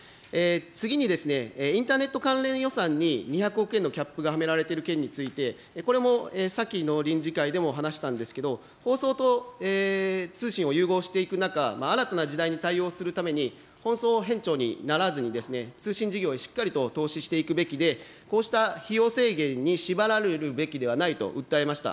次に、インターネット関連予算に２００億円のキャップがはめられている件について、これも先の臨時会でも話したんですけど、放送と通信を融合していく中、新たな時代に対応するために、放送偏重にならずに通信事業をしっかりと投資していくべきで、こうした費用制限に縛られるべきではないと訴えました。